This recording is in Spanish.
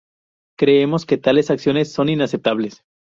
Creemos que tales acciones son inaceptables".